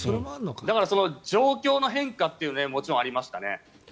だから、状況の変化というのはもちろんありましたね。